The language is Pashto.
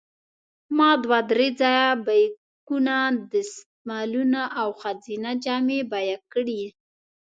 ما دوه درې ځایه بیکونه، دستمالونه او ښځینه جامې بیه کړې.